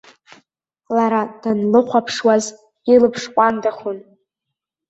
Лара данлыхәаԥшуаз илаԥш ҟәандахон.